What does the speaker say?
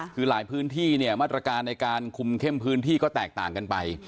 คือหลายพื้นที่เนี่ยมาตรการในการคุมเข้มพื้นที่ก็แตกต่างกันไป